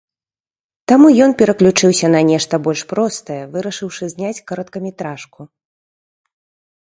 Таму ён пераключыўся на нешта больш простае, вырашыўшы зняць кароткаметражку.